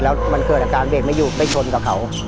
แล้วมันเกิดอาการเบรกไม่อยู่ไปชนกับเขา